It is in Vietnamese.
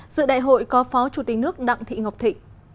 giữa đại hội có phó chủ tịch nước đặng thị ngọc thị